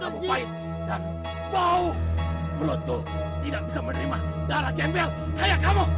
baru kamu pahit dan bau perutku tidak bisa menerima darah gembel kayak kamu